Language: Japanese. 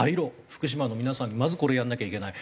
福島の皆さんにまずこれやらなきゃいけない。